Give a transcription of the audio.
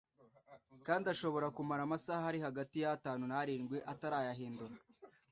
kandi ashobora kumara amasaha ari hagati y’atanu n’arindwi atarayihindura